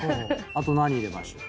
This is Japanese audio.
あと何入れましょう？